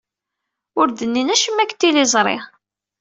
Ur d-nnin acemma deg tliẓri.